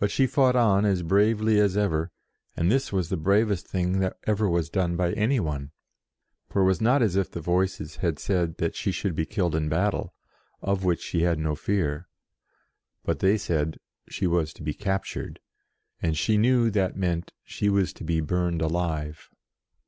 But she fought on as bravely as ever, and this was the bravest thing that ever was done by any one. For it was not as if the Voices had said that she should be killed in battle, of which she had no fear. But they said she was to be captured, and she knew that meant she was to be burned alive.